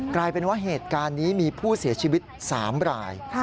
กลายเป็นว่าเหตุการณ์นี้มีผู้เสียชีวิต๓ราย